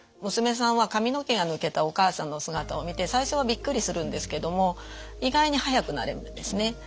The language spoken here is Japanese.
娘さんは髪の毛が抜けたお母さんの姿を見て最初はびっくりするんですけども意外に早く慣れるんですね。